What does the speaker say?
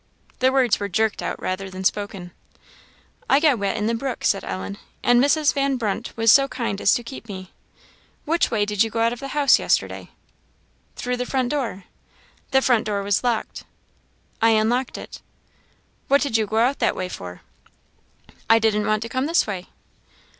The words were jerked out rather than spoken. "I got wet in the brook," said Ellen, "and Mrs. Van Brunt was so kind as to keep me." "Which way did you go out of the house yesterday?" "Through the front door." "The front door was locked." "I unlocked it." "What did you go out that way for?" "I didn't want to come this way."